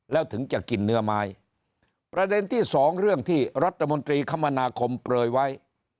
แล้วถึงจะกินเนื้อไม้ประเด็นที่สองเรื่องที่รัฐมนตรีคมนาคมเปลยไว้